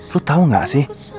lo tau gak sih